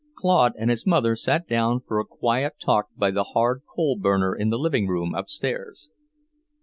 Claude and his mother sat down for a quiet talk by the hard coal burner in the living room upstairs.